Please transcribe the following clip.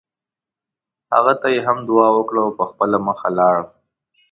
هغه ته یې هم دعا وکړه او په خپله مخه لاړ.